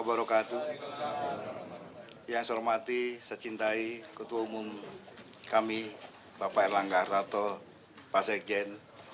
yang saya hormati saya cintai ketua umum kami bapak erlangga hartato pak sekjen